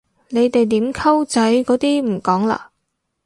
你哋點溝仔嗰啲唔講嘞？